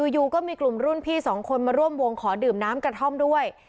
อยู่ก็มีกลุ่มรุ่นพี่สองคนมาร่วมวงขอดื่มน้ำกระท่อมด้วย